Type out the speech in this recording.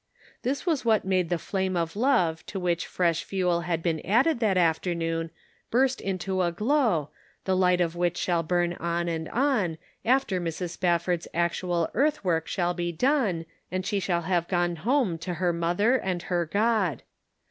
This was what made the flame of love to which fresh fuel had been added that afternoon burst into a glow, the light of which shall burn on and on, after Mrs. Spaf ford's actual earth work shall be done, and she shall have gone home to her mother and her God.